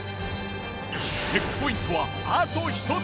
チェックポイントはあと１つ。